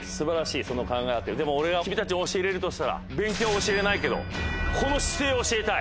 でも俺が君たちに教えれるとしたら勉強は教えれないけどこの姿勢を教えたい！